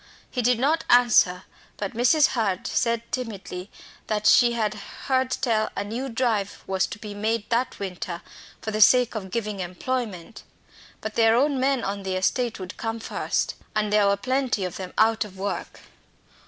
He did not answer, but Mrs. Hurd said timidly that she heard tell a new drive was to be made that winter for the sake of giving employment. But their own men on the estate would come first, and there were plenty of them out of work.